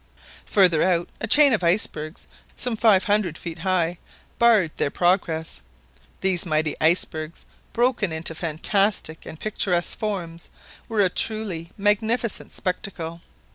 Further out a chain of icebergs, some five hundred feet high, barred their progress. These mighty icebergs, broken into fantastic and picturesque forms, were a truly magnificent spectacle.